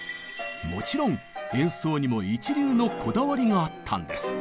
もちろん演奏にも一流のこだわりがあったんです。